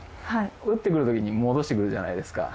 打ってくるときに戻してくるじゃないですか。